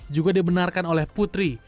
juga dibenarkan oleh putri